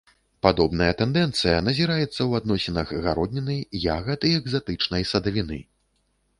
Падобная тэндэнцыя назіраецца ў адносінах гародніны, ягад і экзатычнай садавіны.